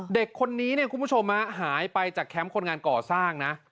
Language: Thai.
เด็กคนนี้เนี่ยคุณผู้ชมหายไปจากแคมป์คนงานก่อสร้างนะ